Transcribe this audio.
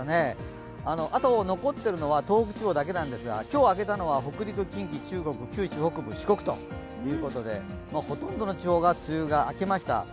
あと、残っているのは東北地方だけなんですが今日明けたのは北陸、中国、近畿、四国とほとんどの地方が梅雨が明けました。